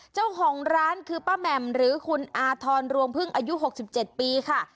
เจ้าของร้านคือป้าแหม่มหรือคุณอาทรรวงพึ่งอายุ๖๗ปีค่ะ